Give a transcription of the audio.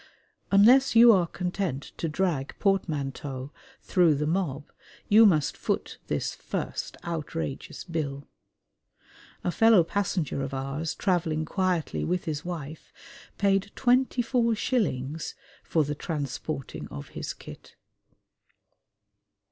Unless you are content to drag portmanteaux through the mob, you must 'foot' this first outrageous bill. A fellow passenger of ours travelling quietly with his wife paid twenty four shillings for the transporting of his kit.